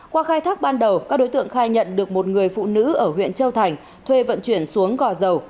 qua khai thác ban đầu các đối tượng khai nhận được một người phụ nữ ở huyện châu thành thuê vận chuyển xuống gò dầu